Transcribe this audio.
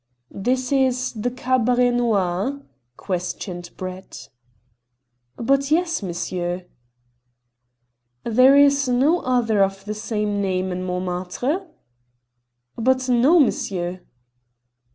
"This is the Cabaret Noir?" questioned Brett. "But yes, monsieur." "There is no other of the same name in Montmartre?" "But no, monsieur."